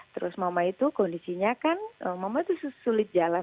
terus mama itu kondisinya kan mama itu sulit jalan